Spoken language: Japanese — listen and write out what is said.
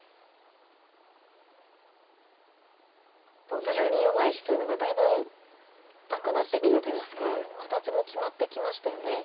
お互いに弱い石というのがだいぶなくなってきたといいますか形も決まってきましたよね。